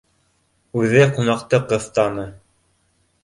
Үҙе ҡунаҡты ҡыҫтаны